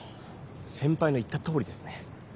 先ぱいの言ったとおりですね。